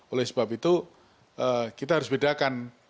oleh sebab itu kita harus bedakan